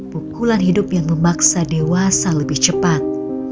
pukulan hidup yang memaksa dewasa lebih cepat